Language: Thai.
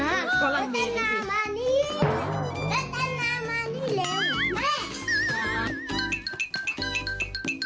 นะตนะมานี่